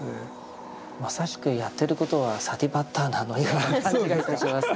まさしくやってることはサティパッターナのような感じがいたします。